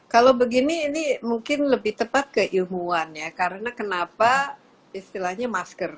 kalau begini ini mungkin lebih tepat keilmuan ya karena kenapa istilahnya masker